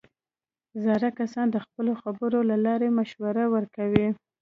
زاړه کسان د خپلو خبرو له لارې مشوره ورکوي